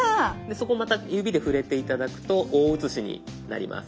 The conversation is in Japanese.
そこまた指で触れて頂くと大写しになります。